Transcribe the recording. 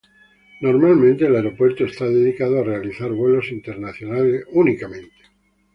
Normalmente, el aeropuerto está dedicado a realizar vuelos internacionales únicamente.